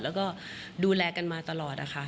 แล้วก็ดูแลกันมาตลอดนะคะ